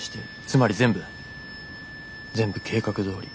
つまり全部全部計画どおり。